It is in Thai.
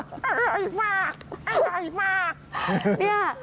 อร่อยมากอร่อยมาก